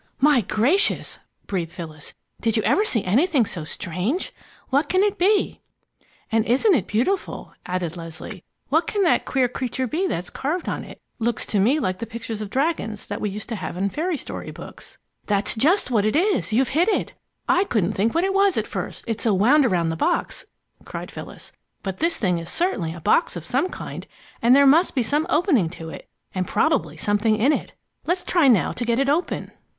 "My gracious!" breathed Phyllis. "Did you ever see anything so strange! What can it be?" "And isn't it beautiful!" added Leslie. "What can that queer creature be that's carved on it? Looks to me like the pictures of dragons that we used to have in fairy story books." "That's just what it is! You've hit it! I couldn't think what it was at first it's so wound around the box!" cried Phyllis. "But this thing is certainly a box of some kind, and there must be some opening to it and probably something in it. Let's try now to get it open."